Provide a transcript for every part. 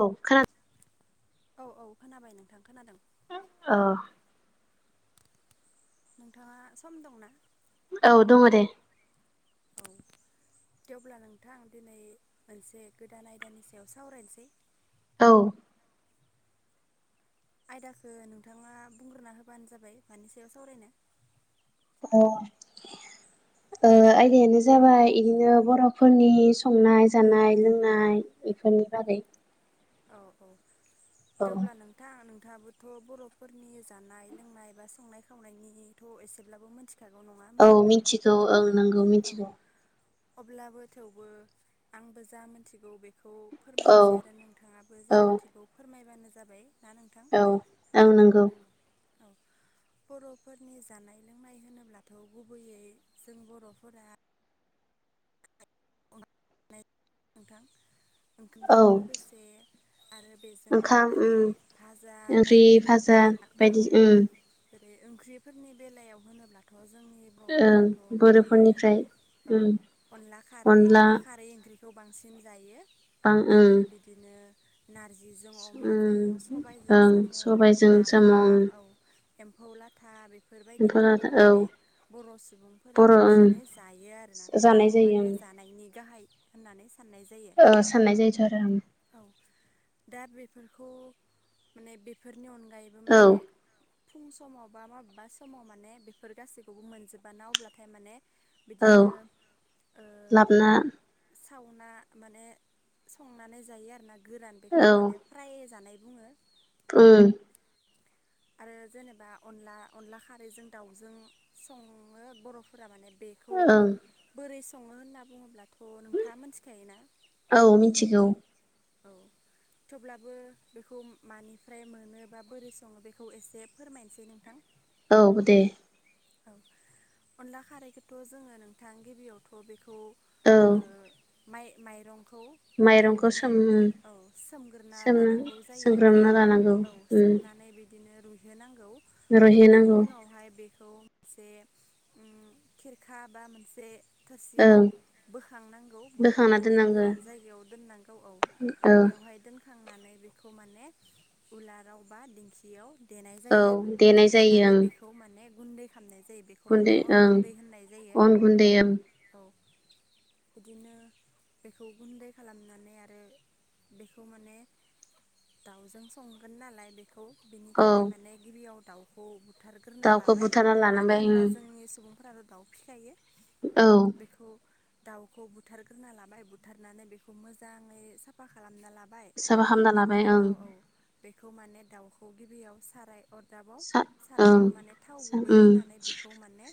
औ खोना औ औ खोनाबाय नोंथां खोनादों ओ नोंथाङा सम दंना औ दङ दे औ दे अब्ला नोंथां दिनै मोनसे गोदान आयदानि सायाव सावरायनोसै औ आयदाखौ नोंथाङा बुंग्रोना होबानो जाबाय मानि सायाव सावरायनो अह ओ आयदायानो जाबाय इदिनो बर'फोरनि संनाय जानाय लोंनाय बेफोर नि बागै औ-औ औ थेवब्ला नोंथां नोंथाङाबोथ' बर'फोरनि जानाय लोंनाय बा संनाय खावनायनिथ' एसेब्लाबो मोनथि औ मिथिगौ ओं नंगौ औ मिथिगौ। अब्लाबो थेवबो आंबो जा मिथिगौ बेखौ औ फोरमायनोसै आरो नों नोंङाबो जा औ मोनथिगौ फोरमायबानो जाबाय ना नोंथां औ ओं नोंगौ औ बर'फोरनि जानाय लोंनाय होनोब्लाथ' गुबैयै जों बर'फोरा नोंथां औ ओंखामजों लोगोसे आरो बेजों ओंखाम ओंख्रि उम भाजा ओंख्रि बायदि भाजा थाफायो औ बायदि उम जेरै- ओंख्रिफोरनि बेलायाव होनोब्लाथ' जोंनि ओं बर'फोराथ' गुबैयै बर'फोरनिफ्राय औ उम अनला खारै अनला बा खारै ओंख्रि खौ बांसिन जायो बां उम आरो बिदिनो नारजिजों अमाजों उम सबायजों ओं साम' सबायजों साम' उम नाफाम औ एम्फौ लाथा बे एम्फौ बेफोरबायदिफोरखौ लाथा औ माने बर' सुबुंफोरा बर' उम बांसिनै जायो आरोना जानाय बेफोरखौ जायो माने ओं जा नायनि गाहाय होननानै साननाय जायो ओ साननाय जायोथ' आरो उम औ दा बेफोरखौ माने बेफोरनि अन औ फुं समाव बा माबेबा समाव माने बेफोर गासैखौबो मोनजोबा ना अब्लाथाय माने बिदिनो औ ओ लाबना सावना माने संनानै जायो आरोना गोरान बेखौ माने फ्राय जानाय बुङो। उम। आरो जेनेबा अनला अनला खारैजों दाउजों सङो बर'फोरा माने बेखौ ओं बोरै सङो होनना बुङोब्ला थ' नोंथाङा मोनथिखायो ना? औ मिथिगौ औ, थेवब्लाबो बेखौ मानिफ्राय मोनो बा बोरै सङो बे खौ एसे फोरमायनोसै नोंथां। औ दे। औ, अनला खारैखौथ' जोङो नोंथां गिबियावथ' बे खौ औ ओ माइ माइरं खौ गिबियाव माइरंखौ माने सोम औ सोमग्रोना सोमना लानांगौ जायो सोमग्रोमना दैयाव। लानांगौ औ सौ उम मनानै बिदिनो रुइहोनांगौ। रुइनायनि रुइहोनांगौ उनावहाय बे खौ मोनसे उम खेरखा बा मोनसे थोरसियाव ओं बोखांनांगौ बोखांना बोखांनानै दोननांगौ गोरान जायगायाव दोननांगौ औ। औ बेवहाय दोनखांनानै बेखौ माने उलाराव बा दिंखियाव देनाय औ जायो आरो नोंथां। देनाय जायो देनानै ओं बेखौ माने गुन्दै खालामनाय जायो बेखौ गुन्दै माने अन ओं गुनन्दै होननाय जायो अन गुन्दै ओं औ। बिदिनो बेखौ गुन्दै खालामनानै आरो बेखौ माने दाउजों संगोन नालाय बेखौ बिनि औ थाखाय माने गिबियाव दाउखौ बुथारग्रोना दाउखौ लाबाय बुथारना मानो लानांबाय होनबा ओं जोंनि सुबुंफोराल' दाउ फिखायो। औ बेखौ दाउखौ बुथारग्रोना लाबाय बुथारनानै बेखौ मोजाङै साफा खालामना ला बाय। साफा खालामना बेनि लाबाय ओं उनाव औ बेखौ माने दाउखौ गिबियाव साराय अर दाबाव सा ओं सारायाव माने थाव सा गुबै उम होनानै बेखौ माने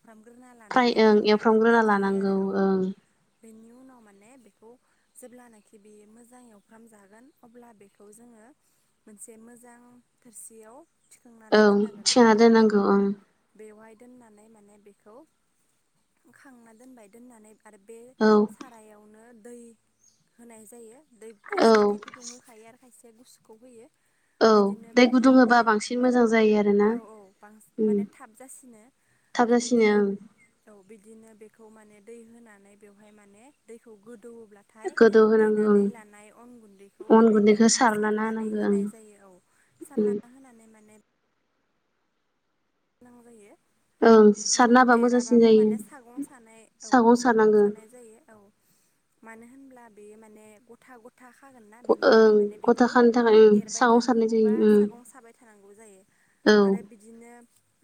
एवफ्रामग्रोना फ्राय लानानै ओं खांना एवफ्रामग्रोना दोननाय जायो लानांगौ आरो औ। ओं बेनि उनाव माने बेखौ जेब्लानाखि बे मोजां एवफ्राम जागोन अब्ला बेखौ जोङो मोनसे मो जां थोरसियाव थिखांनानै ओं दोननांगोना थिखांना नोंथां? औ दोननांगौ ओं बेवहाय दोननानै माने बेखौ खांना दोनबाय दोननानै आरो बे औ सारायावनो दै होनाय जायो दै औ खायसेया दै गुदुं होखायो आरो खायसेया गुसुखौ होयो। औ बिदिनो दै बेखौ गुदुं होबा बांसिन औ मोजां जायो आ औ औ बांसिन माने थाब जासिनो। थाब जासिनो बिदिनो ओं औ बिदिनो बेखौ माने दै होनानै बेवहाय माने दैखौ गो दौवो ब्लाथाय गोदौ होनांगौ ओं देनानै लानाय अन गुन्दैखौ अन माने गुन्दैखौ बेवहाय सारलाना सारनानै होनांगौ ओं होनाय जायो औ। उम सारना होनानै माने औ उम एराबाबो माने सागं सानाय औ सागं सानाय जायो औ। मानो होनब्ला बेयो माने गथा ग था खागोन ना बेनि ओं थाखाय माने गथा बेखौ खानो थाखाय ओं एरबाय सागं सारनाय थानांगौ जायो बा उम सागं साबाय थानांगौ जायो। औ आरो बिदिनो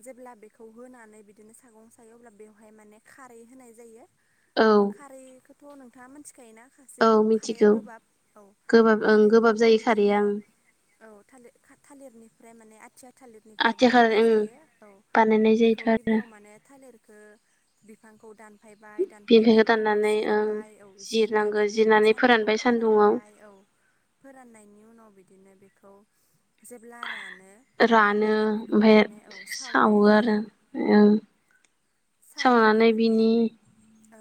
जेब्ला बेखौ होनानै बिदिनो सागं सायो अब्ला बेवहाय माने खारै होनाय जायो। औ ओ खारैखौथ' नोंथाङा मोनथिखायोना? औ माखासेथ' खारैआ मिथिगौ गोबाब औ गोबाब ओं गोबाब खारैखौबो जायो बिदिनो खारैया ओं औ थालिर खा थालिरनिफ्राय माने आथिया थालिरनिफ्राय आथिखाल बानायनाय ओं जायो। औ बानायनाय बेखौ जायोथ' आरो गिबियाव माने थालिरखौ बिफांखौ दान फायबाय बिलाइखौ दानफायनायनि उनाव दाननानै ओं जिरबाय औ जिरनांगौ जिरनानै बेखौ जिरनानै सान्दुं आव फोरानबाय सान्दुङाव फोरानबाय औ। फोराननायनि उनाव बिदिनो बे खौ जेब्ला रानो रानो अब्लाथाय बेखौ ओमफ्राय माने औ सावनाय सावो आरो जायो ओं- सावनानै माने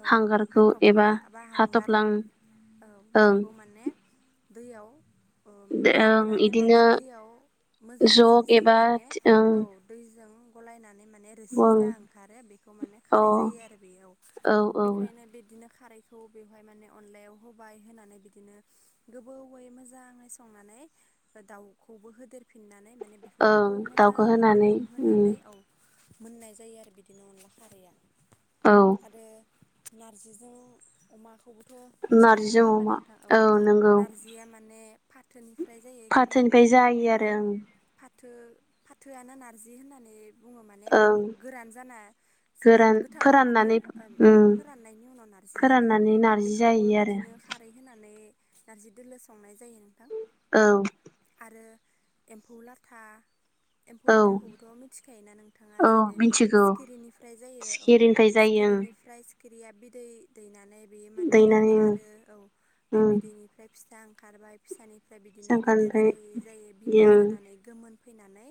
औ हांगारखौ एबा हाथ'फ्ला बा हांगार हाथफ्लां औ ओं बेखौ माने दैयाव ओम ओं लाबोनानै माने इदिनो दैयाव मोजां जग जिजों एबा माने ओं औ दै जों गलायनानै माने रोसि ओं जा ओंखारो बेखौ माने अ खारै जायो आरो बेयाव औ औ बेनिखायनो बिदिनो- खारैखौ बेहाय माने अनलायाव होबाय होनानै बिदिनो गोबौवै मोजांङै संनानै नै दाखौबो होदेर फिनानै ओं दाउखौ होनानै उम होनानै औ मोननाय जायो आरो बिदिनो अनला खारैया औ आरो नारजिजों अमाखौबो थ' मिथिखायो नंङा नारजिजों होनबा अमा नोंथां? औ नंगौ नारजिया माने फाथोनि फाथोनिफाय जायो आरो ओं। फाथो फाथोआनो बुंङो माने ओं गोरान जाना फा गोरान गोथांङाव फाथो फोराननानै औ उम फोराननायनि उनाव ना नार्जि होनो फोराननानै नारजि जायो बेखौबो आरो बिदिनो खारै होनानै नारजि दोलो संनाय जायो नोंथां। औ। आरो एम्फौ लाथा एम्फौ औ ला थाखौथ' मिथिखायोना नोंथांङा औ जेरै मिथिगौ सिखिरिनिफ्राय जायो औ सिखिरिनिफ्राय जायो ओं सिखिरिनिफ्राय सिखिरिया बिदै दैनानै बेयो माने दैनानै ओंखारो औ बे ओं बिदैनिफ्राय फिसा ओंखारबाय फिसानिफ्राय बिदिनो गेदेर जांखानिफ्राय जायै जायै बिमा ओं जानानै गोमोन फैनानै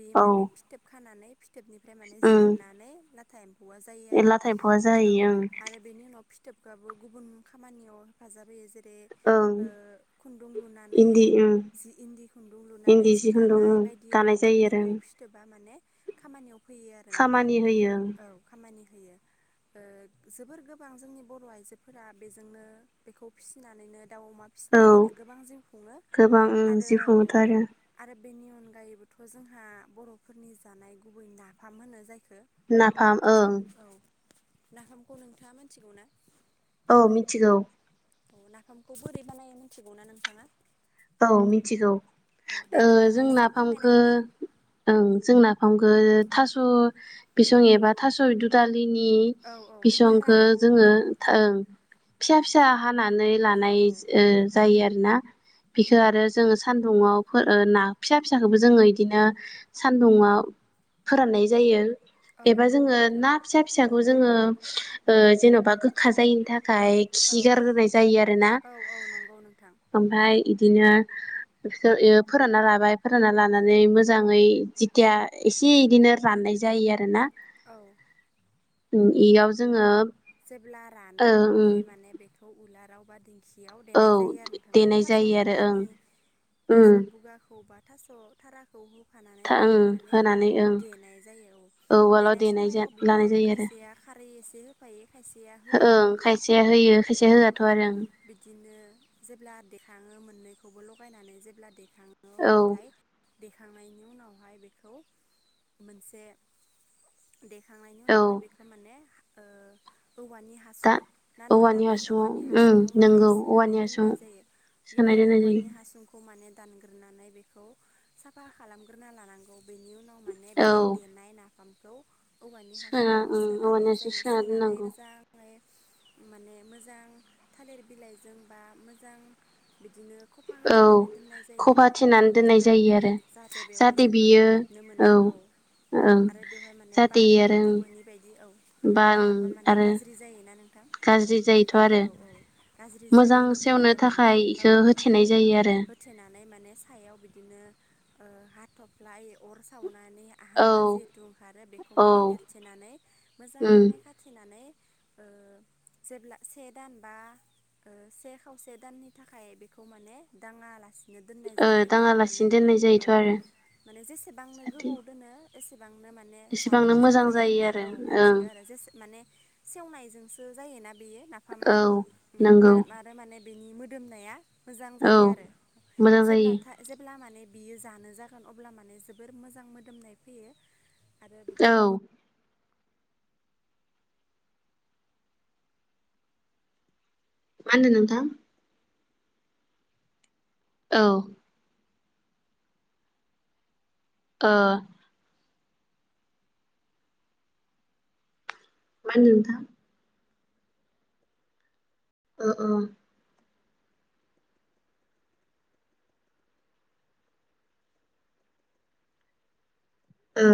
बे औ माने फिथोब खानानै फिथोबनिफ्राय माने ओं जिरनानै ना हवा जायो आरो लाथा एम्फौआ जाहैयो औ ओं आरो बेनि उनाव फिथोबखौबो गुबुन खामानियाव हेफाजाब होयो जेरै ओं बे ओ खुन्दुं लुनानै इन्दि ओं जि इन्दि खुन्दुं लुनानै इन्दि जि खुन्दुं दानाय ओं बायदियाव दानाय माने जायो आरो एम्फौ ओं फिथोबा माने खामानियाव फैयो आरो नोंथां खामानि होयो औ खामानि होयो ओ जोबोर गोबां जोंनि बर' आइजोफोरा बेजोंनो बेखौ फिसिनानैनो दाउ, अमा ओं औ फिसिनानैनो गोबां जिउ खुंङो गोबां ओं आरो जिउ औ खुङोथ' आरो आरो बेनि अन गायैबोथ' जोंहा बर'फोरनि जानाय गुबै नाफाम होनो जाय नाफाम ओं। नाफामखौ नोंथांङा मानथिगौ ना? औ मिथिगौ। नाफामखौ बोरै बानायो मिथिगौना नोंथांङा? औ मिथिगौ। ओ नोंथाङा जों एसे फोरमायना नाफामखो‌ होदो जों नाफामखो थास' बिसं एबा थास' दुदाल लिनि औ औ बिसंखो थाराखौ जोंङो औ ओं फिसा फिसा हानानै औ लानाय औ जायो आरोना। बेखौ आरो जोंङो सान्दुंङाव फो ना फिसा फिसाखोबो जोङो इदिनो सान्दुुंङाव फोराननाय जायो। औ एबा नंगौ जोंङो नोंथां। ना फिसा फिसाखौ जोंङो ओ जेन'बा गोखा जायैनि था खाय औ खि गारग्रोनाय जायो आरोना औ औ नंगौ नोंथां ओमफाय इदिनो बिखो फोरानना लाबाय फोरानना लानानै मोजांङै जिथिया एसे इदिनो राननाय नाय जायो आरोना। औ। उम इयाव जोंङो जेब्ला रानो अब्लाथाय माने बेखौ उलाराव बा दिंखि बियाव औ देनाय जायो आरो नोंथाङा देनाय जायो आरो ओं थास'बुगानि थास' उम बुगाखौ बा थास' थाराखौ हु फानानै था बेखौ ओं माने होनानै ओं देनाय जायो औ उवालाव देनाय जा समायाव लानाय बिदिनो जायो आरो खायसेया खारै एसे होफायो। खायसेया होआ ओं खायसेया होयो औ खायसेया होआथ' आरो बिदिनो जेब्ला दे थाङो मोननैखौबो लगायनानै जेब्ला देखाङो ओं अब्लाथाय दैेखांनायनि उनावहाय बेखौ मोनसे देखांनायनि औ औ उनावहाय बेखौ माने ओ औवानि दा हासुं ना औवानि नोंथां हासुङाव औवानि उम हासुङाव माने नोंगौ सोनानै औवानि हासुङाव दोननाय जायो गि सोनाय बियाव दोननाय जायो औवानि हासुंखौ माने दानग्रोनानै बेखौ साफा खालामग्रोना लानांगौ बेनि उनाव माने बे औ देनाय ना फामखौ औवानि सोना हासुङाव उम औवानि सोनानै हासुङाव जायो सोना सोनानै दोननांगौ मोजां फाय माने मोजां थालिर बिलाइजों बा मोजां बिदिनो खफा औ होथनानै दोननाय जायो खफा थेनानै दोननाय औ औ जायो आरो जाहाथे बेवहाय जेबो हाबनो मोना औ ओं आरो बेवहाय माने जाहाथे बारबो आरो हाबनो मोननि बायदि औ बा बार हाबबा माने आरो गाज्रि जायोना नोंथां गाज्रि जायोथ' औ आरो औ गाज्रि मोजां जायिनि सेवनो थाखाय माने औ इखौ बेखौ होथेनाय जायो आरो होथेनानै माने सायाव बिदिनो ओ हाथफ्ला अर' सावना नेय औ हांगार जेहुथु ओंखारो बेखौ औ माने लिरथेनानै उम मोजांङै नानै ओ जेब्ला से दान बा ओ से खावसे दाननि थाखाय बेखौ माने दांङालासि नो दोननाय ओ जायो बेखौ माने दाङालासिनो दोननाय औ जायोथ' आरो माने जेसेबांनो जाहाथे गोबाव दोनो एसे बांनो माने जानो एसेबांनो मोजां जायो होनना आरो औ ओं मोनथिगौ आरो जेसे माने सेवनायजोंसो जायोना बेयो नाफामा औ नंगौ आरो माने बेनि मो दोमनाया मोजां औ जायो आरो मोजां जायो जेब्ला मान बियो जानो जागोन अब्ला माने जोबोर मोजां मोदोमनाय फैयो। आरो औ बिदिनो मा होनदों नोंथां? औ ओ मा होनदों नोंथां? ओ ओ ओ